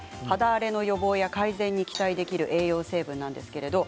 肌荒れの予防や改善に期待できる栄養成分です。